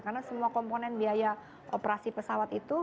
karena semua komponen biaya operasi pesawat itu